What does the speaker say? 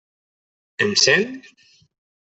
Em sent?